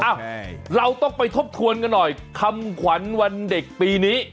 เราต้องไปทบทวนกันหน่อยคำขวัญวันเด็กปีนี้